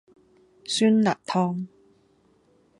酸辣湯